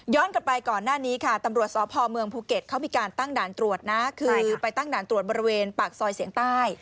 กลับไปก่อนหน้านี้ค่ะตำรวจสพเมืองภูเก็ตเขามีการตั้งด่านตรวจนะคือไปตั้งด่านตรวจบริเวณปากซอยเสียงใต้